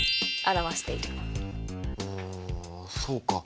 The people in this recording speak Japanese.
んそうか。